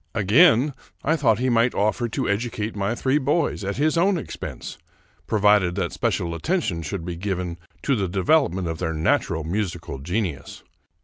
Again I thought he might offer to educate my three boys at his own expense, provided that special attention should be given to the development of their natural musical genius.